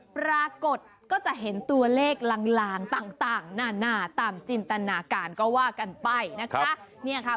ปรากฏก็จะเห็นตัวเลขลางต่างหน้าตามจินตนาการก็ว่ากันไปนะคะ